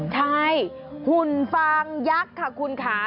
ใช่หุ่นฟางยักษ์ค่ะคุณค่ะ